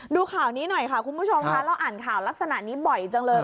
ดูข่าวนี้หน่อยค่ะคุณผู้ชมค่ะเราอ่านข่าวลักษณะนี้บ่อยจังเลย